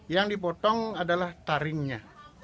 yang dipotong adalah taringnya